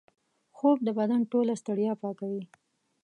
خوب د بدن ټوله ستړیا پاکوي